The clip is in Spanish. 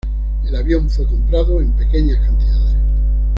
El avión fue comprado en pequeñas cantidades.